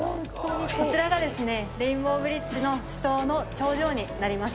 こちらが、レインボーブリッジの主塔の頂上になります。